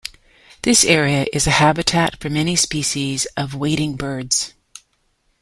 This area is a habitat for many species of wading birds.